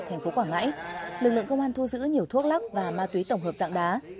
thành phố quảng ngãi lực lượng công an thu giữ nhiều thuốc lắc và ma túy tổng hợp dạng đá